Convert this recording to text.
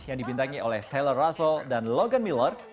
yang dibintangi oleh taylor russell dan logan miller